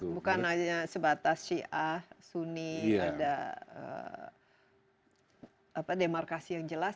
bukan hanya sebatas syiah suni ada demarkasi yang jelas